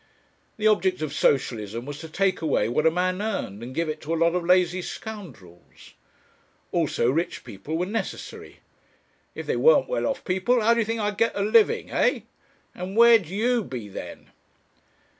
The object of Socialism was to take away what a man earned and give it to "a lot of lazy scoundrels." Also rich people were necessary. "If there weren't well off people, how d'ye think I'd get a livin'? Hey? And where'd you be then?"